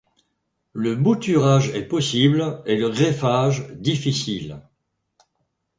Le bouturage est possible et le greffage difficile.